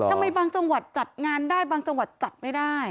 บางจังหวัดจัดงานได้บางจังหวัดจัดไม่ได้